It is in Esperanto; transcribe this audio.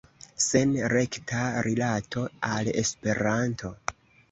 Sen rekta rilato al Esperanto.